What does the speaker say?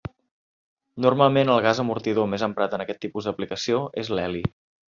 Normalment el gas amortidor més emprat en aquest tipus d'aplicació és l'heli.